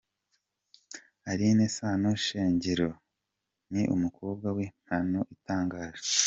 Aline Sano Shengero ni umukobwa w’impano itangaje.